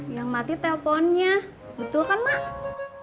yang mati telponnya betul kan mah